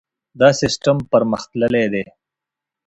دا سیستم پرمختللی دی.